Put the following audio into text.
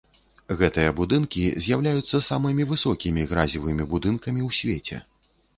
Гэтыя будынкі з'яўляюцца самымі высокімі гразевымі будынкамі ў свеце.